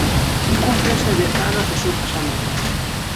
Cúmprense dez anos do seu pasamento.